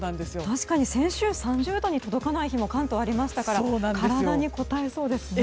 確かに先週３０度に届かない日も関東はありましたから体に応えそうですね。